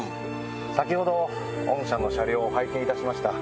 先ほど御社の車両を拝見いたしました。